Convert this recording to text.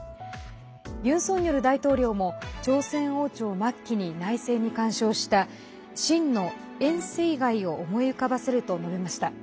ユン・ソンニョル大統領も朝鮮王朝末期に内政に干渉した清の袁世凱を思い浮かばせると述べました。